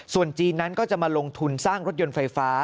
ส่วนจีนนั้นก็จะมาลงทุนสร้างรถยนต์ไฟฟ้า